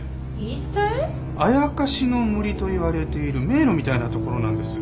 妖の森といわれている迷路みたいなところなんです。